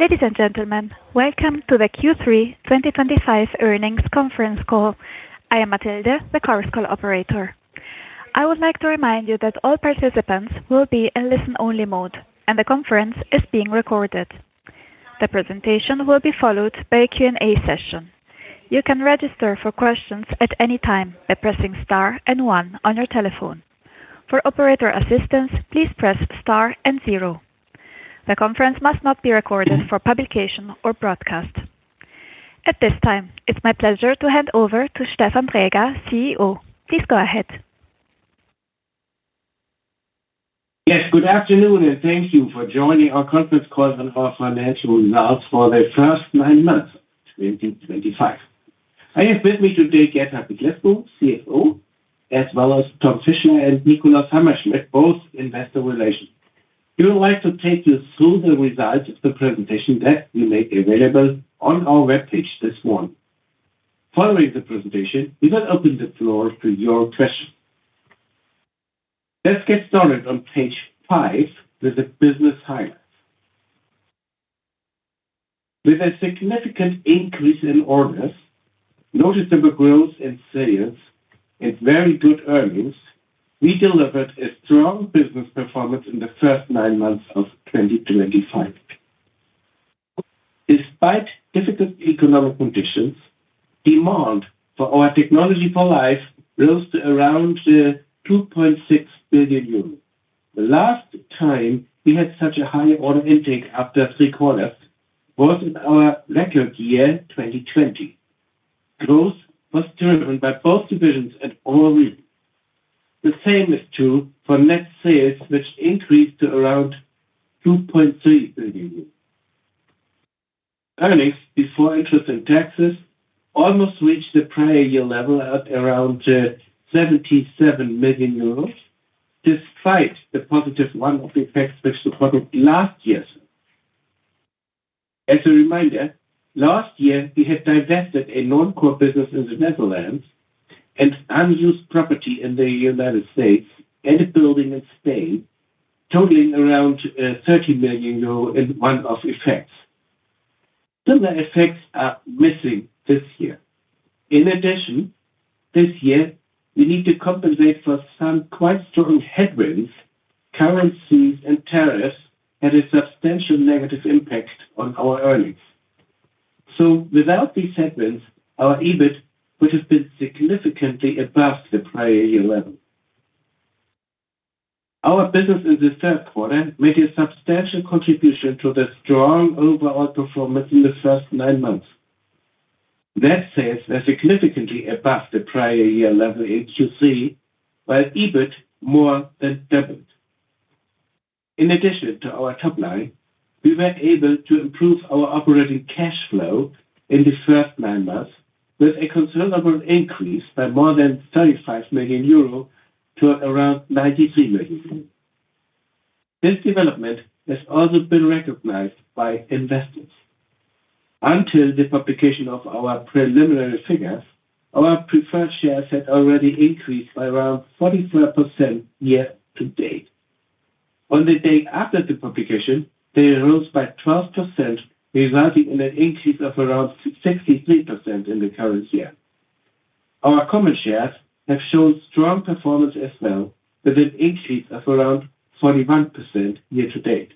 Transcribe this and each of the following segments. Ladies and gentlemen, welcome to the Q3 2025 earnings conference call. I am Mathilde, the course call operator. I would like to remind you that all participants will be in listen only mode and the conference is being recorded. The presentation will be followed by a Q and A session. You can register for questions at any time by pressing star and one on your telephone. For operator assistance, please press star and zero. The conference must not be recorded for publication or broadcast at this time. It's my pleasure to hand over to Stefan Dräger, CEO. Please go ahead. Yes, good afternoon and thank you for joining our conference call on our financial results for the first nine months of 2025. I have with me today Gert-Hartwig Lescow, CFO, as well as Tom Fischler and Nikolaus Hammerschmidt, both Investor Relations. We would like to take you through the results of the presentation that we made available on our webpage this morning. Following the presentation, we will open the. Floor to your questions. Let's get started on page five with the business highlight. With a significant increase in orders, noticeable growth in sales, and very good earnings, we delivered a strong business performance in the first nine months of 2025 despite difficult economic conditions. Demand for our technology for life rose to around 2.6 billion euros. The last time we had such a high order intake after three quarters was in our record year 2020. Growth was driven by both divisions and more. The same is true for net sales, which increased to around 2.3 billion euros. Earnings before interest and taxes almost reached the prior year level at around 77 million euros despite the positive one-off effects which we reported last year. As a reminder, last year we had divested a non-core business in the Netherlands, unused property in the United States, and a building in Spain totaling around 30 million euro in one-off effects. Similar effects are missing this year. In addition, this year we need to compensate for some quite strong headwinds. Currencies and tariffs had a substantial negative impact on our earnings. Without these headwinds, our EBIT would have been significantly above the prior year level. Our business in the third quarter made a substantial contribution to the strong overall performance in the first nine months, as sales were significantly above the prior year level in Q3 while EBIT more than doubled. In addition to our top line, we were able to improve our operating cash flow in the first nine months with a considerable increase by more than 35 million euro to around 93 million. This development has also been recognized by investors. Until the publication of our preliminary figures, our preferred shares had already increased by around 45% year-to-date. On the day after the publication, they rose by 12%, resulting in an increase of around 63% in the current year. Our common shares have shown strong performance as well, with increases of around 41% year-to-date.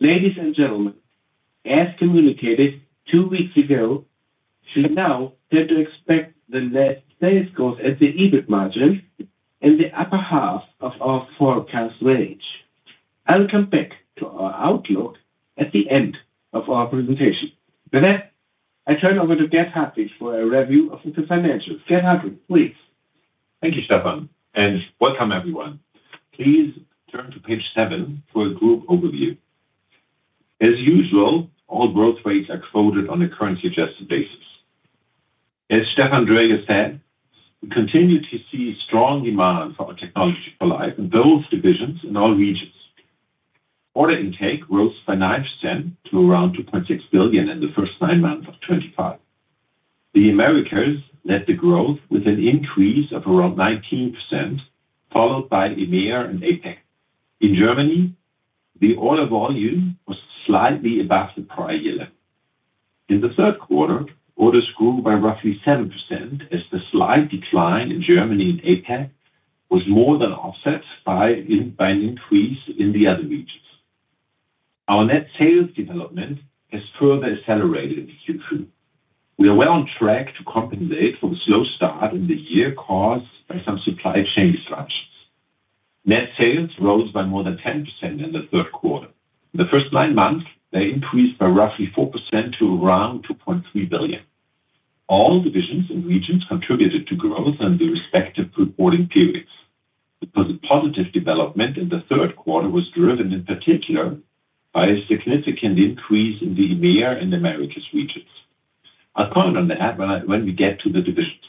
Ladies and gentlemen, as communicated two weeks ago, we now tend to expect the net sales growth and the EBIT margin in the upper half of our forecast range. I'll come back to our outlook at the end of our presentation. With that, I turn over to Gert-Hartwig Lescow for a review of the financials. Gert-Hartwig, please. Thank you, Stefan, and welcome everyone. Please turn to page seven for a group overview. As usual, all growth rates are quoted on a currency-adjusted basis. As Stefan Dräger said, we continue to see strong demand for our technology for life in those divisions. In all regions, order intake rose by 9% to around 2.6 billion in the first nine months of 2025. The Americas led the growth with an increase of around 19%, followed by EMEA and APAC. In Germany, the order volume was slightly above the prior year level. In the third quarter, orders grew by roughly 7%. The slight decline in Germany and APAC was more than offset by an increase in the other regions. Our net sales development has further accelerated in Q2. We are well on track to compensate for the slow start in the year caused by some supply chain disruptions. Net sales rose by more than 10% in the third quarter. In the first nine months, they increased by roughly 4% to around 2.3 billion. All divisions and regions contributed to growth in the respective reporting periods. Positive development in the third quarter was driven in particular by a significant increase in the EMEA and Americas regions. I'll point on that when we get to the divisions.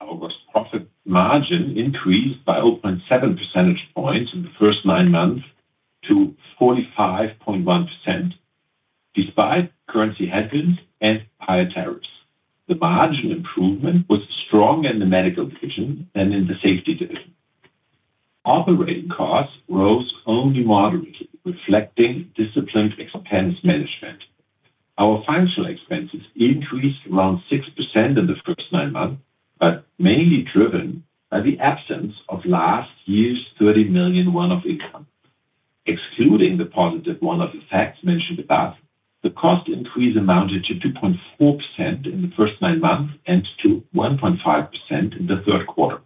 Our gross profit margin increased by 0.7 percentage points in the first nine months to 45.1%. Despite currency headwinds and higher tariffs, the margin improvement was stronger in the Medical division than in the Safety division. Operating costs rose only moderately, reflecting disciplined expense management. Our financial expenses increased around 6% in the first nine months, but mainly driven by the absence of last year's 30 million of income. Excluding the positive one-off effects mentioned above, the cost increase amounted to 2.4% in the first nine months and to 1.5% in the third quarter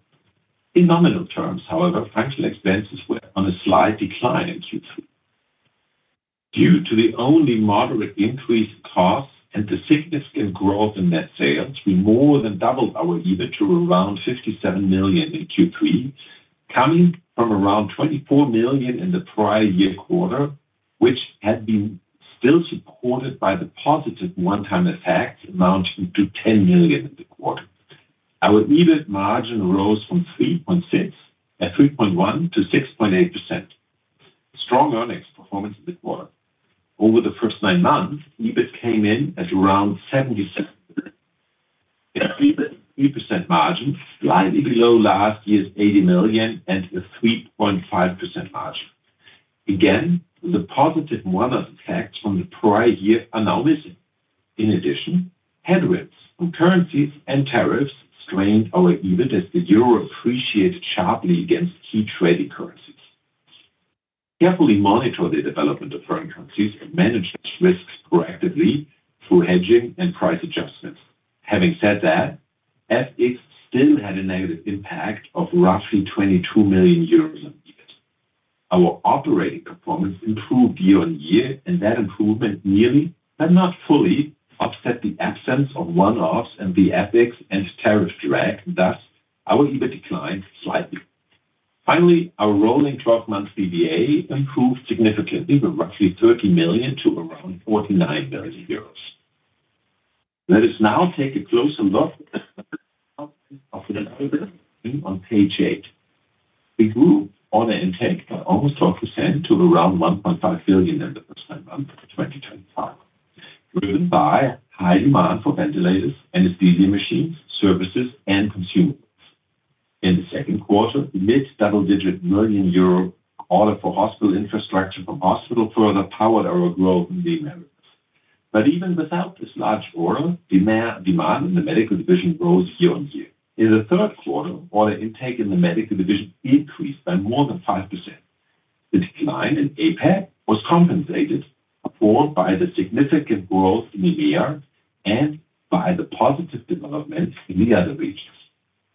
in nominal terms. However, functional expenses were on a slight decline in Q3 due to the only moderate increase in costs and the significant growth in net sales. We more than doubled our EBIT to around 57 million in Q3, coming from around 24 million in the prior year quarter, which had been still supported by the positive one-time effects amounting to 10 million. In the quarter, our EBIT margin rose from 3.6% at 3.1 to 6.8%. Strong earnings performance in the quarter. Over the first nine months, EBIT came in at around 77 million and a 3.3% margin, slightly below last year's 80 million and a 3.5% margin. Again, the positive one-off effects from the prior year are now missing. In addition, headwinds on currencies and tariffs strained our EBIT as the euro appreciated sharply against key trading currencies. Carefully monitor the development of foreign currencies and manage those risks proactively through hedging and price adjustments. Having said that, FX still had a negative impact of roughly 22 million euros. Our operating performance improved year on year and that improvement nearly but not fully offset the absence of one offs and the FX and tariff drag. Thus, our EBIT declined slightly. Finally, our rolling 12 month BBA improved significantly from roughly 30 million to around 49 billion euros. Let us now take a closer look on page 8. We grew order intake by almost 12% to around 1.5 billion in the first month 2025 driven by high demand for ventilators, anesthesia machines, services, and consumables. In the second quarter, the mid double digit million euro order for hospital infrastructure from hospital further powered our growth in the Americas. Even without this large order, demand in the medical division rose year on year. In the third quarter, order intake in the medical division increased by more than 5%. The decline in APAC was compensated by the significant growth in VR and by the positive development in the other regions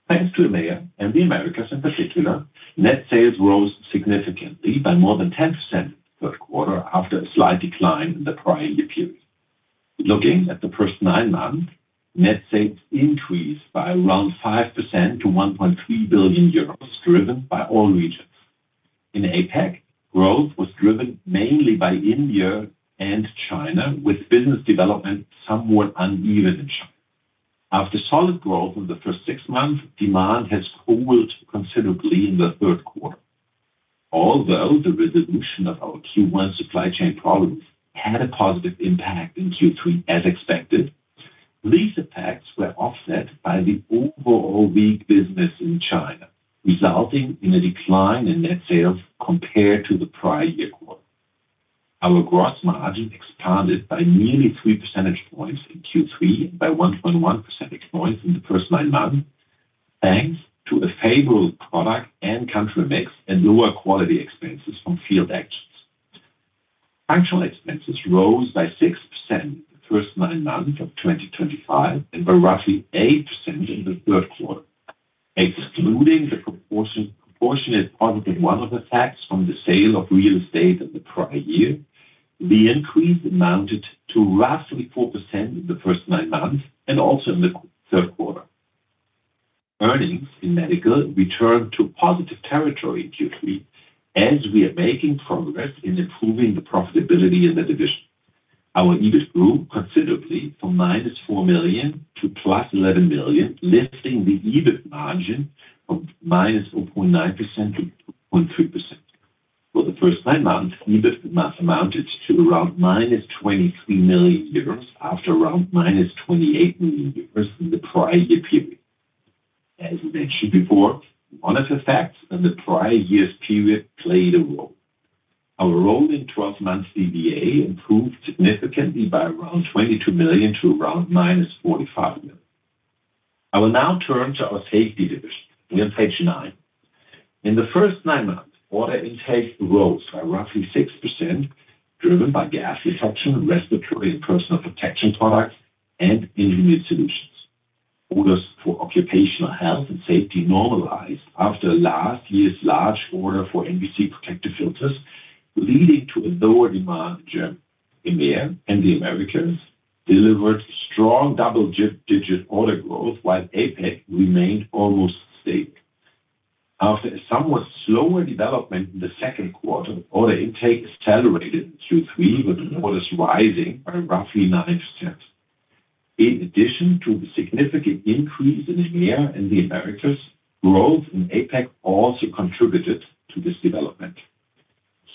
thanks to EMEA and the Americas. In particular, net sales rose significantly by more than 10% in the third quarter after a slight decline in the prior year period. Looking at the first nine months, net sales increased by around 5% to 1.3 billion euros driven by all regions. In APAC, growth was driven mainly by India and China, with business development somewhat uneven in China. After solid growth in the first six months, demand has cooled considerably in the third quarter. Although the resolution of our Q1 supply chain problem had a positive impact in Q3 as expected, these effects were offset by the overall weak business in China resulting in a decline in net sales compared to the prior year quarter. Our gross margin expanded by nearly 3 percentage points in Q3, by 1.1 percentage points in the personal margin thanks to a favorable product and country mix and lower quality expenses from field actions. Functional expenses rose by 6% the first nine months of 2025 and by roughly 8% in the third quarter. Excluding the proportion of proportionate positive one-off effects from the sale of real estate in the prior year, the increase amounted to roughly 4% in the first nine months and also in the third quarter. Earnings in Medical returned to positive territory in Q3 as we are making progress in improving the profitability in the division. Our EBIT grew considerably from -4 million to +11 million, lifting the EBIT margin from -0.9% to 2.3%. For the first nine months, EBITDA amounted to around -23 million euros after around -28 million euros in the prior year period. As I mentioned before, one-off effects in the prior year's period played a role. Our EBITDA improved significantly by around 22 million to around -45 million. I will now turn to our Safety division. We are on page nine. In the first nine months, order intake rose by roughly 6% driven by gas detection, respiratory and personal protection products, and engineered solutions. Orders for occupational health and safety normalized after last year's large order for NBC protective filters, leading to a lower demand. Germany, EMEA, and the Americas delivered strong double-digit order growth while APAC remained almost stable. After a somewhat slower development in the second quarter, order intake accelerated in Q3 with orders rising by roughly 9%. In addition to the significant increase in EMEA and the Americas, growth in APAC also contributed to this development.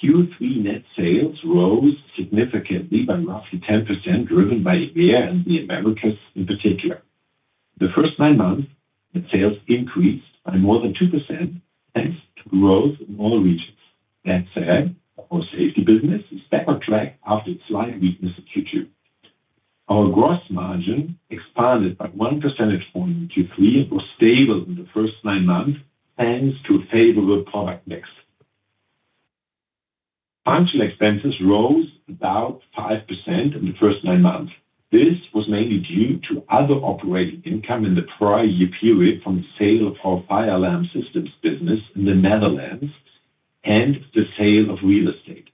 Q3 net sales rose significantly by roughly 10% driven by EMEA and the Americas. In particular, in the first nine months, net sales increased by more than 2% thanks to growth in all regions. That said, our Safety business is back on track after its slight weakness in Q2. Our gross margin expanded by 1 percentage point in Q3 and was stable in the first nine months thanks to a favorable product mix. Functional expenses rose about 5% in the first nine months. This was mainly due to other operating income in the prior year period from the sale of our fire alarm systems business in the Netherlands and the sale of real estate.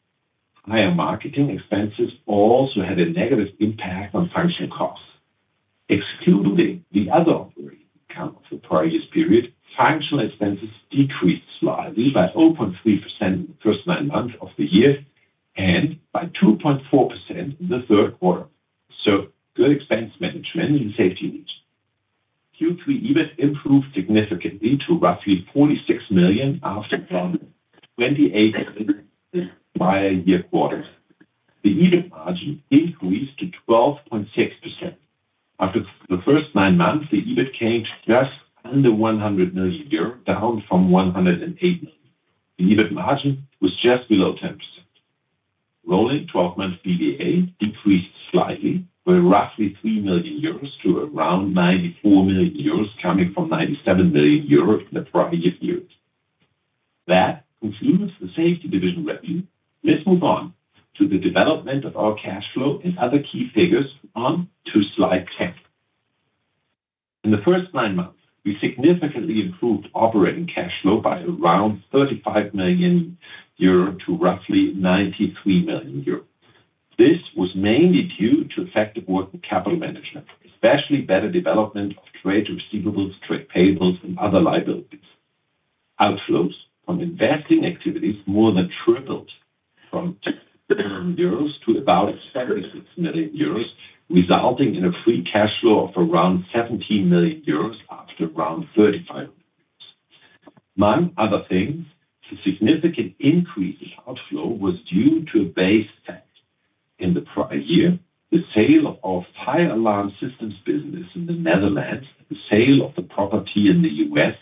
Higher marketing expenses also had a negative impact on functional costs. Excluding the other operating income of the prior year's period, functional expenses decreased slightly by 0.3% in the first nine months of the year and by 2.4% in the third quarter, so good expense management in Safety. Q3 EBIT improved significantly to roughly 46 million after 28 million in the prior year quarter. The EBIT margin increased to 12.6% after the first nine months. The EBIT came to just under 100 million euro, down from 108 million. The EBIT margin was just below 10%. Rolling 12 month BBA decreased slightly by roughly 3 million euros to around 94 million euros, coming from 97 million euros in the previous years. That concludes the safety division revenue. This moves on to the development of our cash flow and other key figures on to slide 10. In the first nine months, we significantly improved operating cash flow by around 35 million euro to roughly 93 million euro. This was mainly due to effective working capital management, especially better development of trade receivables, trade payables, and other liabilities. Outflows on investing activities more than tripled from euros to about 76 million euros, resulting in a free cash flow of around 17 million euros after around 35 million euros. Among other things, the significant increase in outflow was due to a base effect in the prior year, the sale of the fire alarm systems business in the Netherlands. The sale of the property in the U.S.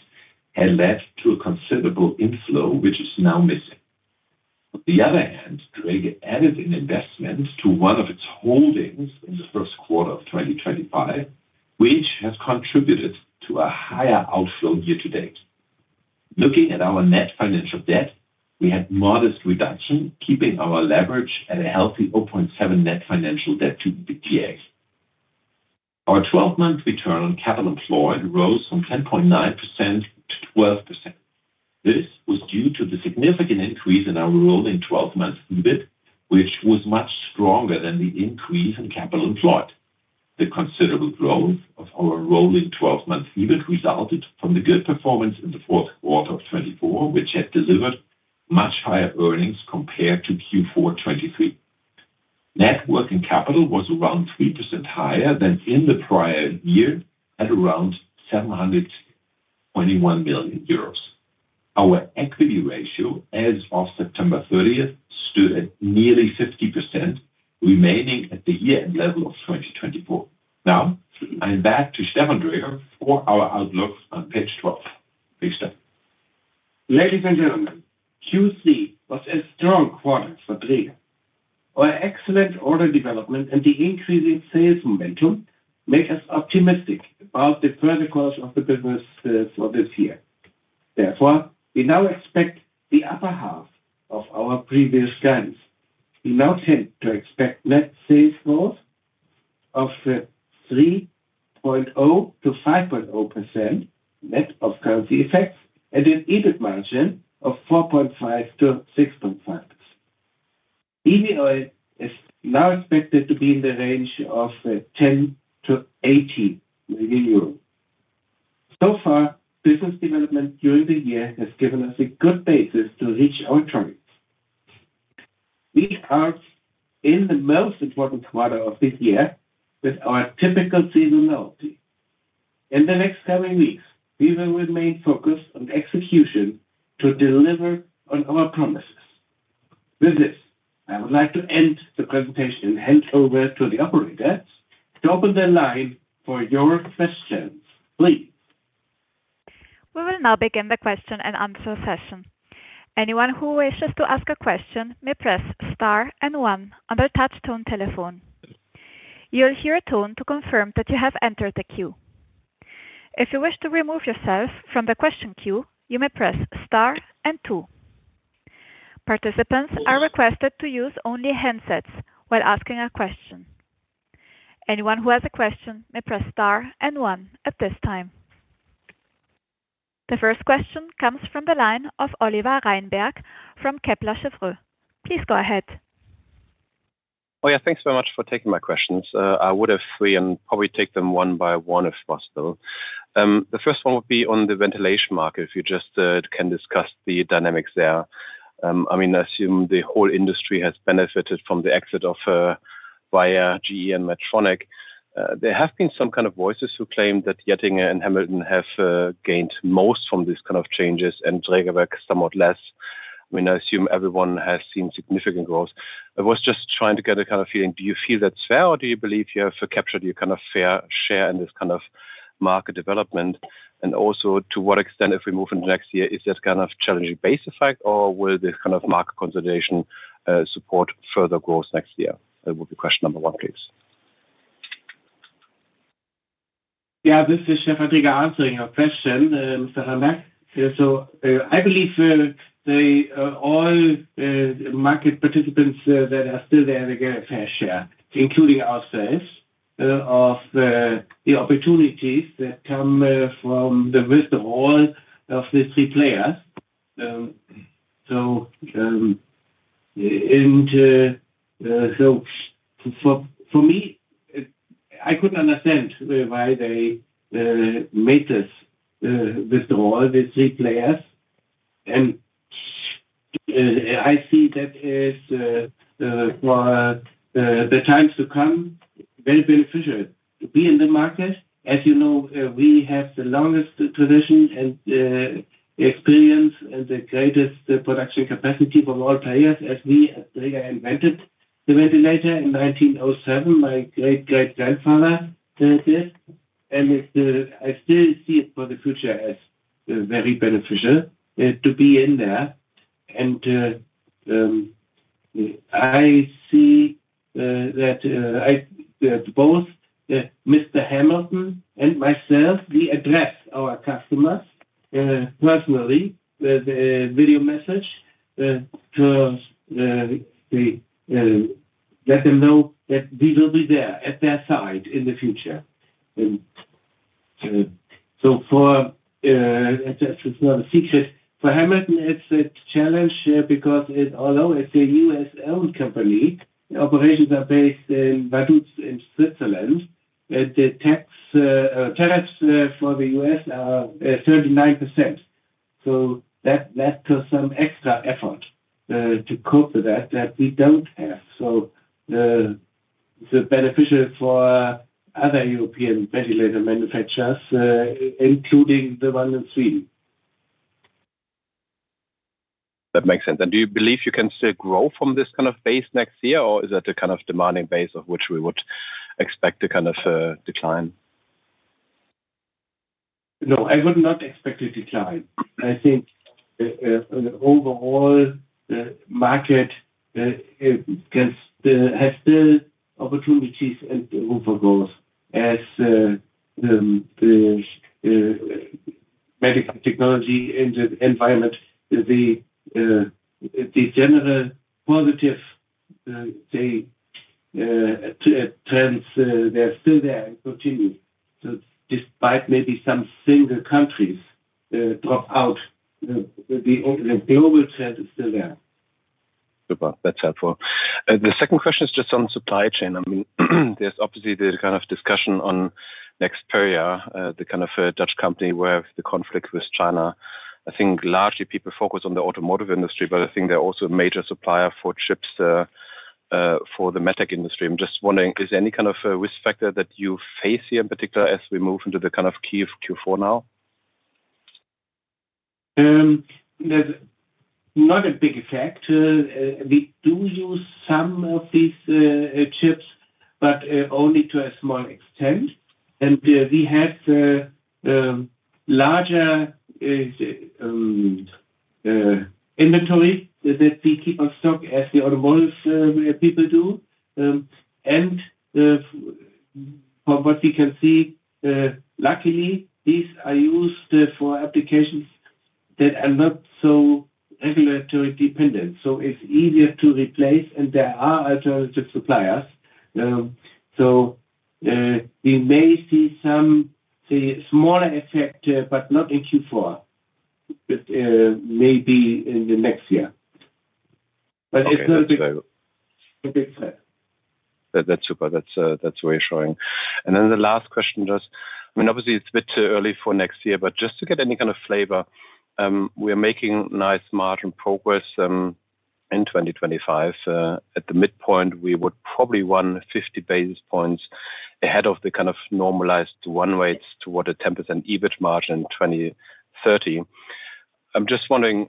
had led to a considerable inflow which is now missing. On the other hand, Dräger added an investment to one of its holdings in the first quarter of 2025, which has contributed to a higher outflow year to date. Looking at our net financial debt, we had a modest reduction, keeping our leverage at a healthy 0.7 net financial debt to EBITX. Our 12 month return on capital employed rose from 10.9% to 12%. This was due to the significant increase in our rolling 12 month EBIT, which was much stronger than the increase in capital employed. The considerable growth of our rolling 12 month EBIT resulted from the good performance in 4Q 2024, which had delivered much higher earnings compared to Q4 2023. Net working capital was around 3% higher than in the prior year at around 721 million euros. Our equity ratio as of September 30 stood at nearly 50%, remaining at the year end level of 2024. Now I'm back to Stefan Dräger for our outlook on page 12. Please. Ladies and gentlemen, Q3 was a strong quarter for Drägerwerk. Our excellent order development and the increasing sales momentum make us optimistic about the further course of the business for this year. Therefore, we now expect the upper half of our previous guidance. We now tend to expect net sales growth of 3.0%-5.0% net of currency effects and an EBIT margin of 4.5%-6.5%. EBIT is now expected to be in the range of 10 million-80 million euros. So far, business development during the year has given us a good basis to reach our targets. We are in the most important quarter of this year with our typical seasonality. In the next coming weeks, we will remain focused on execution to deliver on our promises. With this, I would like to end the presentation and hand over to the operator to open the line for your questions, please. We will now begin the question-and-answer session. Anyone who wishes to ask a question may press star and one on the touchtone telephone. You'll hear a tone to confirm that you have entered the queue. If you wish to remove yourself from the question queue, you may press star and two. Participants are requested to use only handsets while asking a question. Anyone who has a question may press star and one at this time. The first question comes from the line of Oliver Reinberg from Kepler Cheuvreux. Please go ahead. Oh yeah, thanks very much for taking my questions. I would have three and probably take them one by one if possible. The first one would be on the ventilator market, if you just can discuss the dynamics there. I mean, I assume the whole industry has benefited from the exit of GE and Medtronic. There have been some kind of voices who claim that Getinge and Hamilton have gained most from these kind of changes and Drägerwerk somewhat less. I mean, I assume everyone has seen significant growth. Trying to get a kind of feeling. Do you feel that's fair, or do you. you believe you have captured your kind of fair share in this kind of market development? To what extent, if we move into next year, is this kind of challenging base effect or will this kind of market consolidation support further growth next year? That would be question number one, please. Yeah, this is Stefan Dräger answering your question, Mr. Reinberg. I believe that all market participants that are still there get a fair share, including ourselves, of the opportunities that come from the withdrawal of the three players. For me, I couldn't understand why they made this withdrawal with three players. I see that, for the times to come, it is very beneficial to be in the market. As you know, we have the longest tradition and experience and the greatest production capacity of all players. As we invented the ventilator in 1907, my great-great-grandfather, and I still see it for the future as very beneficial to be in there. I see that both Mr. Hamilton and myself address our customers personally with a video message to let them know that we will be there at their side in the future. It is not a secret, for Hamilton it's a challenge. Although it's a U.S. owned company, operations are based in Vaduz in Switzerland, the tariffs for the U.S. are 39%. That led to some extra effort to cope with that, which we don't have. It is beneficial for other European ventilator manufacturers, including the one in Sweden. That makes sense. Do you believe you can still grow from this kind of base next year, or is that a kind of demanding base of which we would expect a kind of decline? No, I would not expect a decline. I think overall market has the opportunities and over growth as the medical technology and the environment, the general positive trends, they're still there, continue. Despite maybe some single countries drop out, the global trend is still there. That's helpful. The second question is just on supply chain. I mean there's obviously the kind of discussion on next period, the kind of Dutch company where the conflict with China. I think largely people focus on the automotive industry, but I think they're also a major supplier for chips for the medtech industry. I'm just wondering is any kind of risk factor that you face here in particular, as we move into the kind of key of Q4 now. There's not a big effect. We do use some of these chips, but only to a small extent. We have larger inventory that we keep on stock as the automotive people do. From what we can see, luckily these are used for applications that are not so regulatory dependent, so it's easier to replace. There are alternative suppliers. We may see some smaller effect, but not in Q4, maybe in the next year. That's super. That's very assuring. The last question, just, I mean, obviously it's a bit too early for next year, but just to get any kind of flavor, we are making nice margin progress in 2025. At the midpoint, we would probably run 50 basis points ahead of the kind of normalized run rates toward a 10% EBIT margin in 2030. I'm just wondering,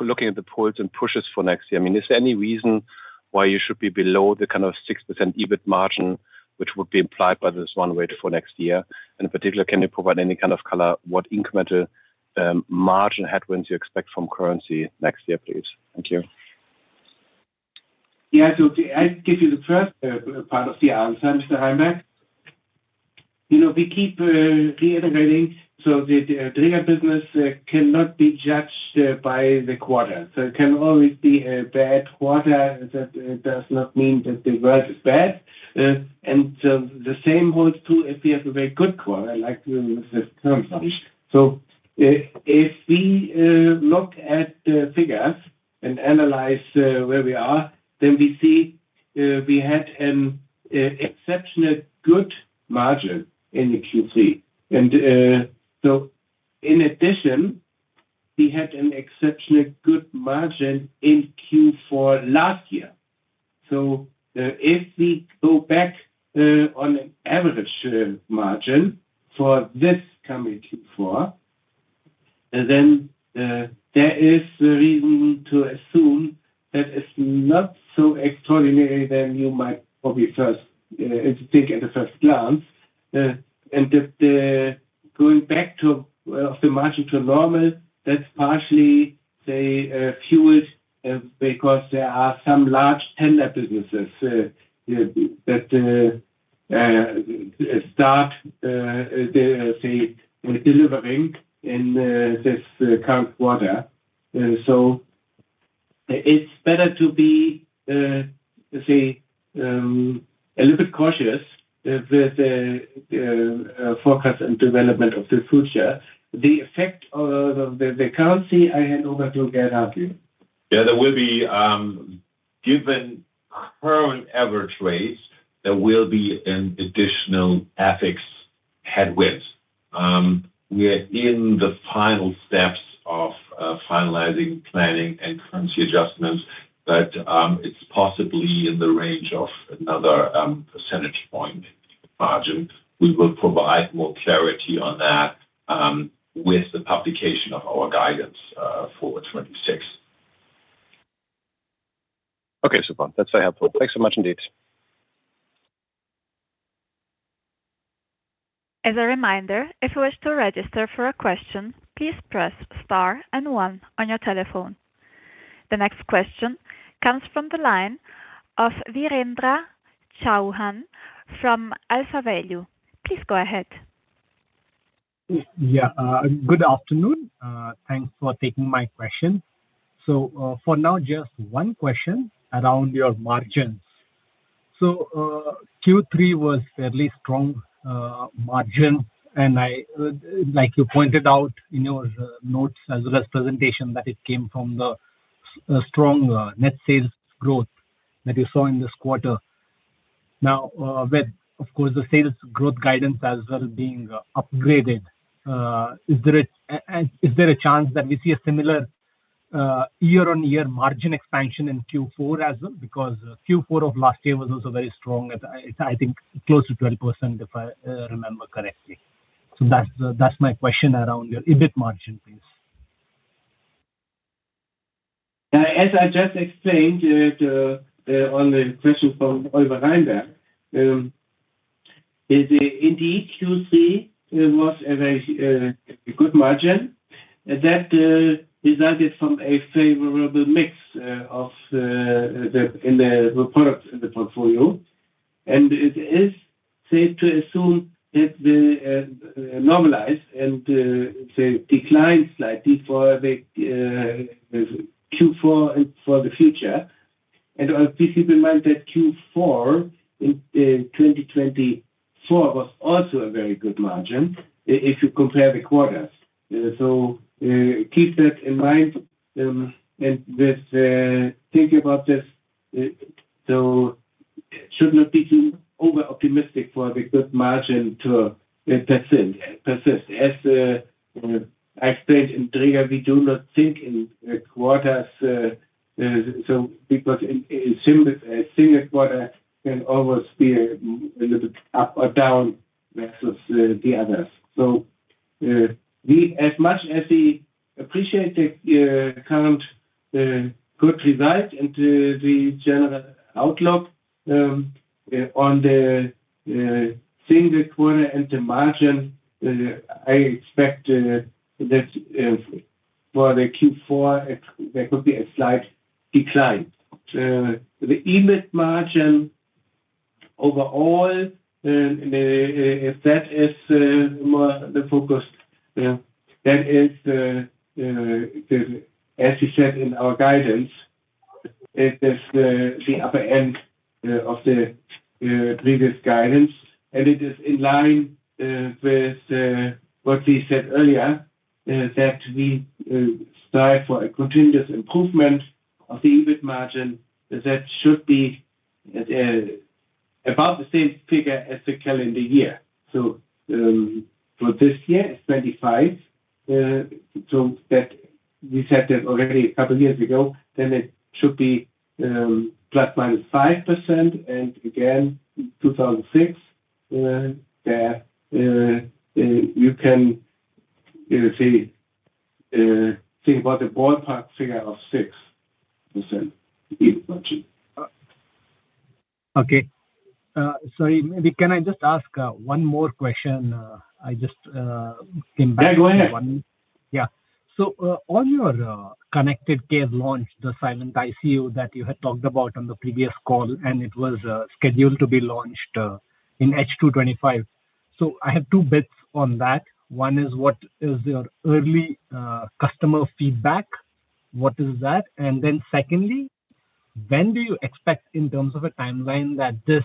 looking at the pulls and pushes for next year, I mean, is there any reason why you should be below the kind of 6% EBIT margin which would be implied by this run rate for next year? In particular, can you provide any kind of color what incremental margin headwinds you expect from currency next year? Please. Thank you. Yeah. I give you the first part of the answer, Mr. Reinberg. You know, we keep reiterating the business cannot be judged by the quarter. It can always be a bad quarter. That does not mean that the world is bad. The same holds true if we have a very good quarter like this. If we look at figures and analyze where we are, we see we had an exceptionally good margin in Q3. In addition, we had an exceptionally good margin in Q4 last year. If we go back on an average margin for this coming Q4, there is reason to assume that it's not so extraordinary. You might probably first think at first glance, and going back to the margin to normal, that's partially fueled because there are some large tender businesses that start delivering in this current quarter. It's better to be a little bit cautious with the forecast and development of the future. The effect of the currency I hand over to Gert-Hartwig Lescow. Yeah, given current average rates, there will be an additional FX headwind. We're in the final steps of finalizing planning and currency adjustments, but it's possibly in the range of another 1% margin. We will provide more clarity on that with the publication of our guidance for 2026. Okay, Stefan, that's very helpful. Thanks so much indeed. As a reminder, if you wish to register for a question, please press star and one on your telephone. The next question comes from the line of Virendra Chauhan from AlphaValue. Please go ahead. Yeah, good afternoon. Thanks for taking my question. For now, just one question around your margins. Q3 was fairly strong margin and like you pointed out in your notes as well as presentation that it came from the strong net sales growth that you saw in this quarter. Now with, of course, the sales growth guidance as well being upgraded, is there a chance that we see a similar year-on-year margin expansion in Q4 as well? Q4 of last year was also very strong, I think close to 12% if I remember correctly. That's my question around your EBIT margin. As I just explained on the question from Oliver Reinberg, indeed Q3 was a very good margin that resulted from a favorable mix in the product in the portfolio. It is safe to assume that will normalize and decline slightly for Q4 and for the future. Please keep in mind that Q4 in 2024 was also a very good margin if you compare the quarters. Keep that in mind and think about this. You should not be too over optimistic for the good margin to persist. As I explained in Drägerwerk, we do not think in quarters because in symbols a single quarter can always be a little bit up or down versus the others. As much as we appreciate the current good result and the general outlook on the single quarter and the margin, I expect that for Q4 there could be a slight decline. The EBIT margin overall, that is the focus. That is as we said in our guidance, it is the upper end of the previous guidance and it is in line with what we said earlier that we strive for a continuous improvement of the EBIT margin. That should be about the same figure as the calendar year. For this year it's 25. We said that already a couple years ago. Then it should be plus minus 5%. Again, 2006. There you can see. Think about the ballpark figure of 6%. Okay, sorry, maybe. Can I just ask one more question? I just came back. On your Connected Care “Silent ICU” launch that you had talked about on the previous call and it was scheduled to be launched in H2 2025. I have two bits on that. One is what is your early customer feedback? What is that? Secondly, when do you expect in terms of a timeline that this,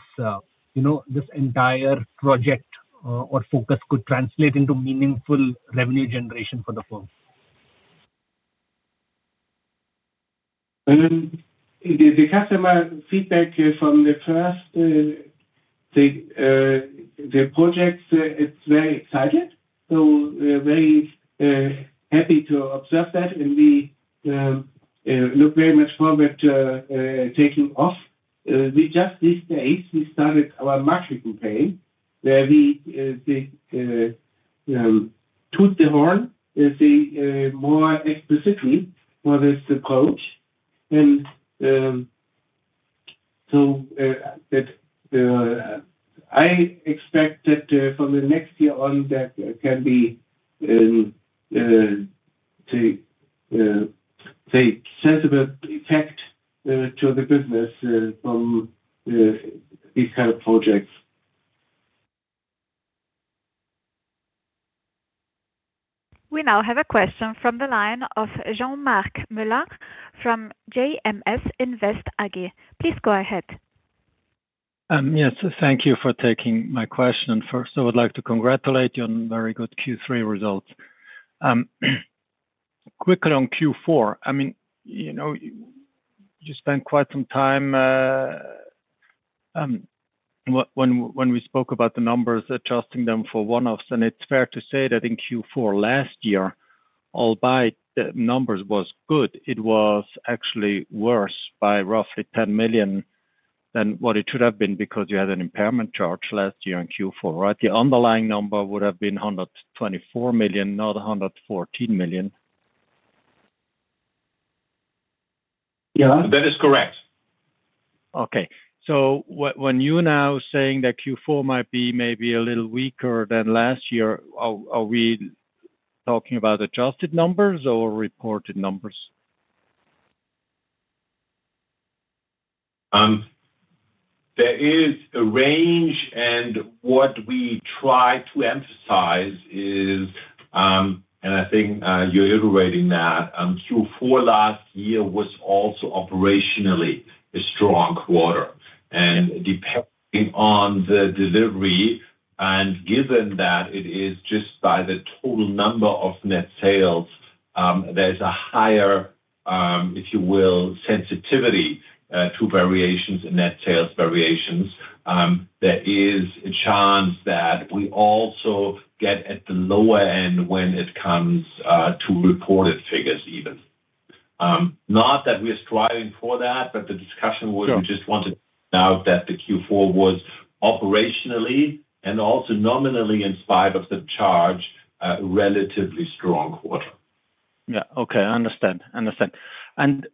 you know, this entire project or focus could translate into meaningful revenue generation for the firm? The customer feedback from the first projects, it's very exciting. We're very happy to observe that. We look very much forward to taking off. We just these days started our market campaign where we. Toot the horn. More explicitly for this approach. I expect that from the next year on that can be a sensible effect to the business from these kind of projects. We now have a question from the line of Jean-Marc Mueller from JMS Invest AG. Please go ahead. Yes, thank you for taking my question. First, I would like to congratulate you. On very good Q3 results, quickly on Q4. You spent quite some time when we spoke about the numbers, adjusting them for one-offs. It's fair to say that in Q4 last year, albeit the numbers were good, it was actually worse by roughly 10 million than what it should have been. Because you had an impairment charge last year in Q4, right? The underlying number would have been 124 million, not 114 million. Yeah, that is correct. Okay, when you now saying that Q4 might be maybe a little weaker than last year, are we talking about adjusted numbers or reported numbers? There is a range, and what we try to emphasize is, I think you're iterating that Q4 last year was also operationally a strong quarter. Depending on the delivery, and given that it is just by the total number of net sales, there's a higher, if you will, sensitivity to variations in net sales variations. There is a chance that we also get at the lower end when it comes to reported figures, even not that we are striving for that, but the discussion was we just wanted now that the Q4 was operationally and also nominally, in spite of the charge, a relatively strong quarter. Okay, I understand.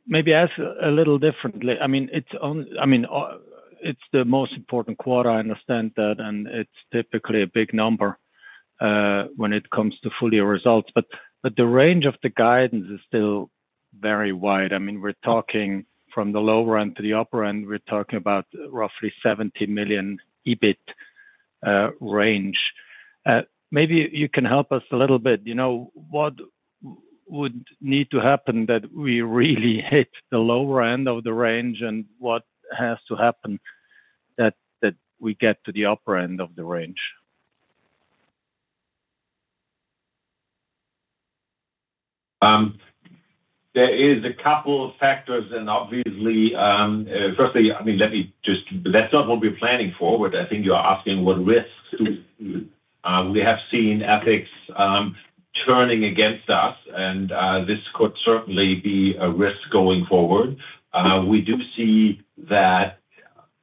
Maybe ask a little differently. I mean it's the most important quarter. I understand that. It's typically a big number when it comes to full year results. The range of the guidance is still very wide. We're talking from the lower end to the upper end. We're talking about roughly 70 million EBIT range. Maybe you can help us a little bit. You know what would need to happen that we really hit the lower end of the range and what has to. Happen that we get to the upper end of the range. There is a couple of factors and obviously, firstly, I mean, let me just. That's not what we're planning forward. I think you are asking what risks we have seen, FX turning against us, and this could certainly be a risk going forward. We do see that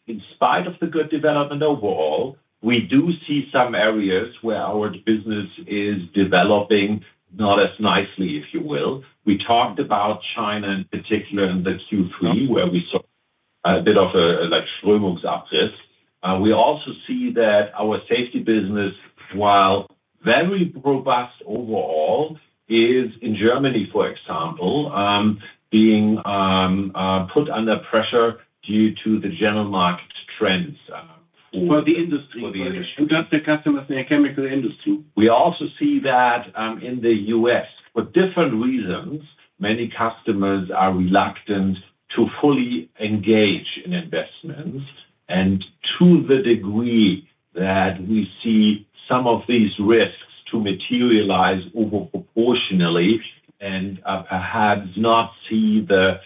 in spite of the good development overall, we do see some areas where our business is developing not as nicely, if you will. We talked about China in particular in the Q3 where we saw a bit of a. We also see that our safety business, while very robust overall, is in Germany, for example, being put under pressure due to the general market trends for the. Industry customers in the chemical industry. We also see that in the U.S. for different reasons, many customers are reluctant to fully engage in investments. To the degree that we see some of these risks to materialize proportionally and perhaps not see the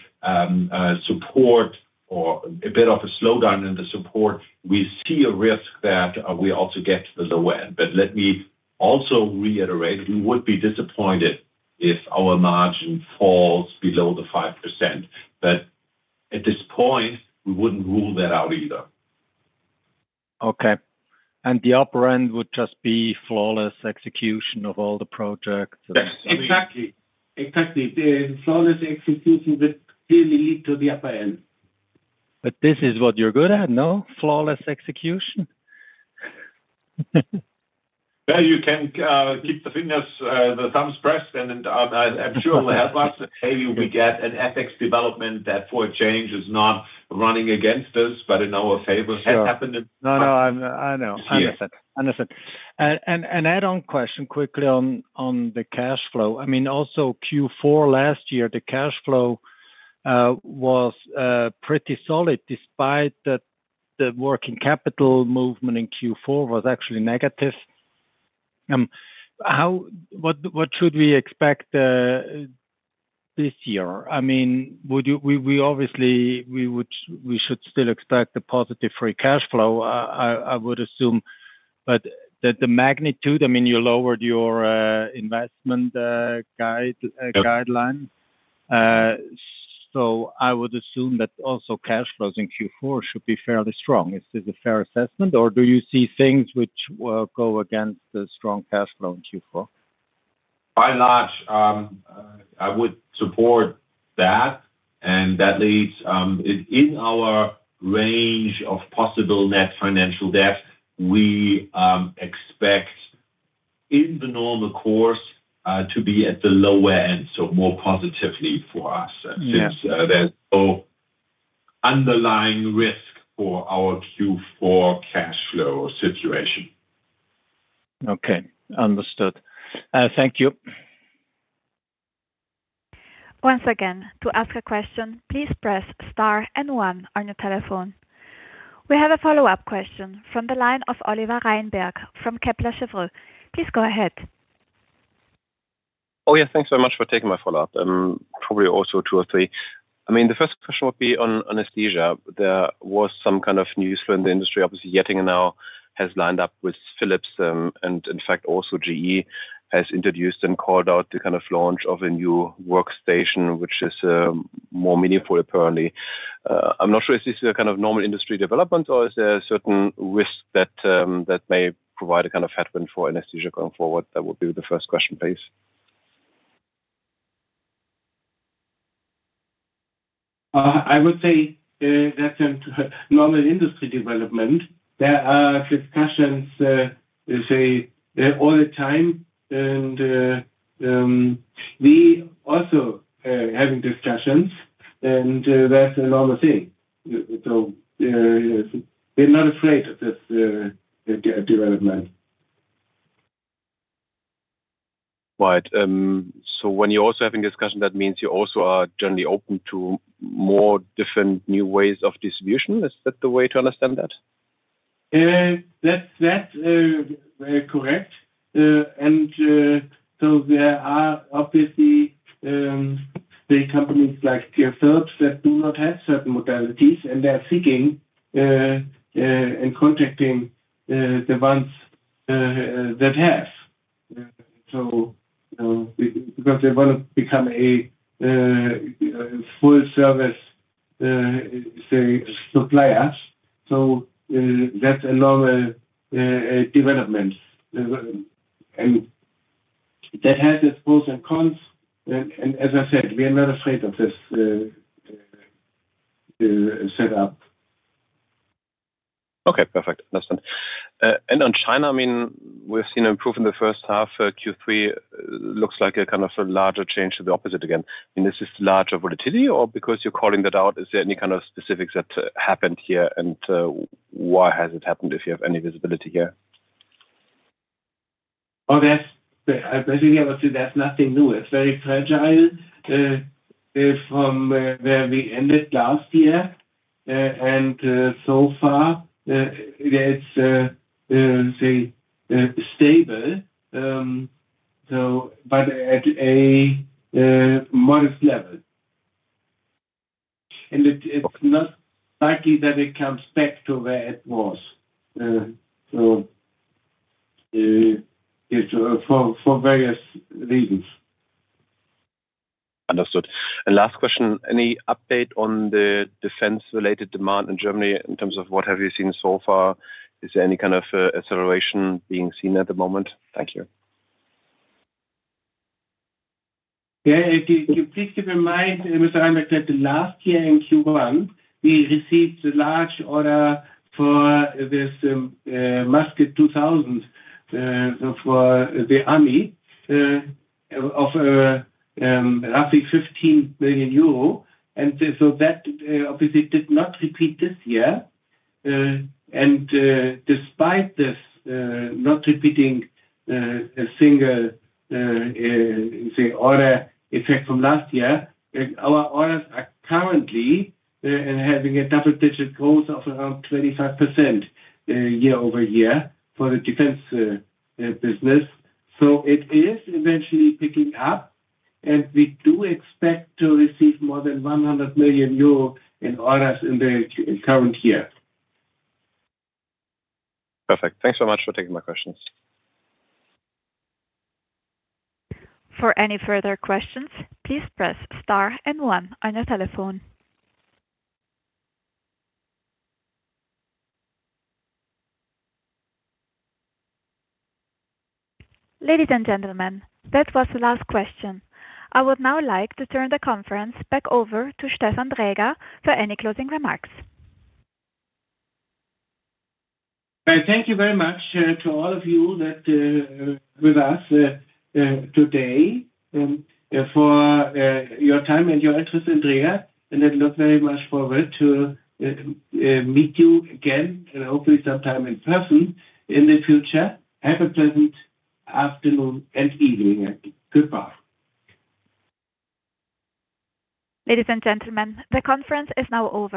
support or a bit of a slowdown in the support, we see a risk that we also get the low end. Let me also reiterate, we would be disappointed if our margin falls below the 5% but at this point we wouldn't rule that out either. Okay. The upper end would just be flawless execution of all the projects. Exactly, exactly. Flawless execution would clearly lead to the upper end. This is what you're good at, no? Flawless execution. You can keep the fingers. Thumbs pressed and I'm sure it will help us. Maybe we get an FX development that for a change is not running against us, but in our favor, as has happened. No, I know. An add-on question quickly on the cash flow. I mean, also Q4 last year the cash flow was pretty solid, despite that the working capital movement in Q4 was actually negative. What should we expect this year? I mean, obviously we should still expect the positive free cash flow, I would assume. The magnitude, I mean, you. Lowered your investment. I would assume that also cash flows in Q4 should be fairly strong. Is this a fair assessment or do you see things which go against the strong cash flow in Q4? I would support that. That leads in our range of possible net financial debt. We expect in the normal course to be at the lower end, more positively for us, since there's no underlying risk for our Q4 cash flow situation. Okay, understood. Thank you. Once again, to ask a question, please press star one on your telephone. We have a follow-up question from the line of Oliver Reinberg from Kepler Cheuvreux. Please go ahead. Oh yeah, thanks very much for taking my follow up. Probably also two or three. I mean the first question would be on anesthesia. There was some kind of news in the industry obviously. Yetting now has lined up with Philips and in fact also GE has introduced and called out the kind of launch of a new workstation which is more meaningful apparently. I'm not sure if this is a kind of normal industry development or is there a certain risk that may provide a kind of headwind for anesthesia going forward? That would be the first question, please. I would say that's a normal industry development. There are discussions all the time, and we also have discussions, and that's an enormous thing. They're not afraid of this development, right. When you're also having discussion, that means you also are generally open to more different new ways of distribution. Is that the way to understand that? That's correct. There are obviously the companies like that do not have certain modalities, and they're seeking and contacting the ones that have, because they want to become a full service, say, supplier. That's a normal development, and that has its pros and cons. As I said, we are not. Afraid of this. Setup. Okay, perfect. On China, I mean we've seen improvement in the first half. Q3 looks like a kind of a larger change to the opposite. This is larger volatility or because you're calling that out. Is there any kind of specifics that. Happened here, and why has it happened? If you have any visibility here? Oh, that's basically, I would say, that's nothing new. It's very fragile from where we ended last year, and so far it's, say, stable, but at a modest level. It's not likely that it comes back to where it was for various reasons. Understood. Is there any update on the defense related demand in Germany in terms of what have you seen so far? Is there any kind of acceleration being seen at the moment? Thank you. Please keep in mind, Mr. Reinberg, that last year in Q1 we received a large order for this Muscat 2000 for the army of roughly 15 million euro. That obviously did not repeat this year. Despite this not repeating, a single order effect from last year, our orders are currently having a double-digit growth of around 25% year-over-year for the defense business. It is eventually picking up and we do expect to receive more than 100 million euro in orders in the current year. Perfect. Thanks so much for taking my questions. For any further questions, please press star and one on your telephone. Ladies and gentlemen, that was the last question. I would now like to turn the conference back over to Stefan Dräger for any closing remarks. Thank you very much to all of you that are with us today for your time and your interest in Drägerwerk and I look very much forward to meet you again and hopefully sometime in person in the future. Have a pleasant afternoon and evening. Goodbye. Ladies and gentlemen, the conference is now over.